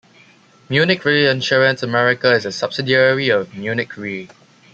Munich Reinsurance America is a subsidiary of Munich Re.